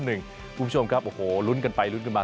คุณผู้ชมครับโอ้โหลุ้นกันไปลุ้นกันมา